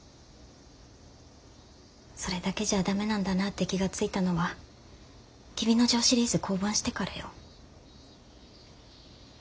それだけじゃ駄目なんだなって気が付いたのは「黍之丞」シリーズ降板してからよ。